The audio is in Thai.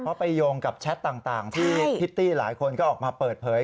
เพราะไปโยงกับแชทต่างที่พิตตี้หลายคนก็ออกมาเปิดเผย